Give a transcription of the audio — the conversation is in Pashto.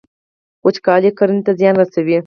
وچکالي کرنې ته زیان رسوي.